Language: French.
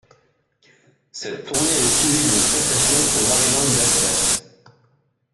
Cette tournée est suivie d'une prestation au Maryland Deathfest.